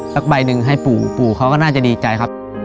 แล้วก็ใบนึงให้ปู่ปู่เขาก็น่าจะดีใจครับ